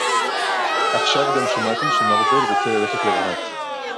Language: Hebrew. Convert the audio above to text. עכשיו גם שמעתי שמרזל רוצה ללכת לרהט